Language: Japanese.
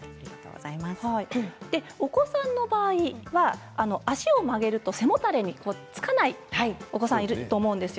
お子さんの場合は足を曲げると背もたれにつかないお子さんもいるかと思います。